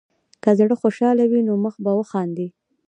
که زړه خوشحال وي، نو مخ به وخاندي.